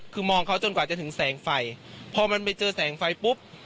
คือมองเขาจนกว่าจะถึงแสงไฟพอมันไปเจอแสงไฟปุ๊บ